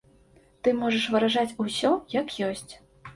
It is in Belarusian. Ты можаш выражаць усё як ёсць.